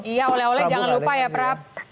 iya oleh oleh jangan lupa ya prap